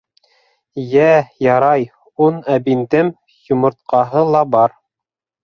Йә, ярай, он әбиндем, йомортҡаһы ла бар.